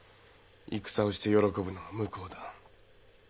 戦をして喜ぶのは向こうだ。